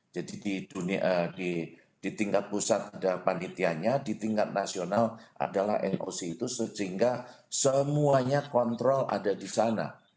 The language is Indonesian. jadi di tingkat pusat ada panitianya di tingkat nasional adalah noc itu sehingga semuanya kontrol ada di sana